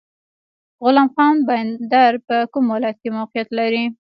غلام خان بندر په کوم ولایت کې موقعیت لري؟